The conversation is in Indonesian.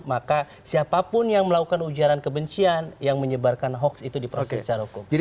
maka siapapun yang melakukan ujaran kebencian yang menyebarkan hoax itu diproses secara hukum